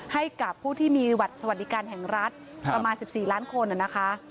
ให้กับผู้ที่มีบัตรสวัสดิการแห่งรัฐประมาณ๑๔ล้านคนนะคะ